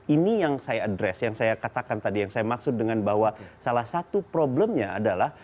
ini yang saya addres yang saya katakan tadi yang saya maksud dengan bahwa salah satu problemnya adalah